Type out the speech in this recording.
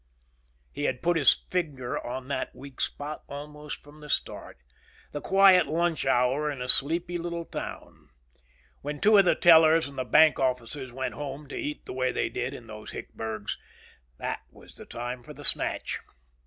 He had put his finger on that weak spot almost from the start. The quiet lunch hour in a sleepy little town. When two of the tellers and the bank officers went home to eat the way they did in those hick burgs. That was the time for the snatch.